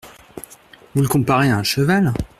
Vous le comparez à un cheval !